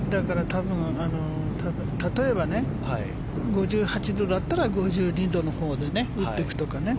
例えば５８度だったら５２度のほうで打っていくとかね